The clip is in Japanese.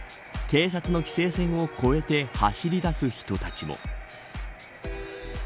警察の規制線を越えて走り出す人たちも。